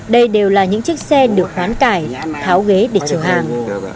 đây đều là những chiếc xe được hoán cải tháo ghế để chở hàng